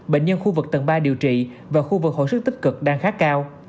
bệnh nhân khu vực tầng ba điều trị và khu vực hồi sức tích cực đang khá cao